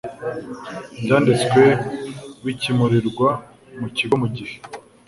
byanditswe bikimurirwa mu kigo mu gihe